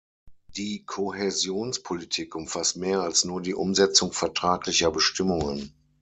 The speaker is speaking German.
Die Kohäsionspolitik umfasst mehr als nur die Umsetzung vertraglicher Bestimmungen.